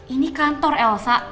ini kantor elsa